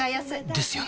ですよね